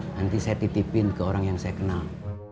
nanti saya titipin ke orang yang saya kenal